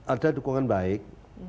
ada dukungan baik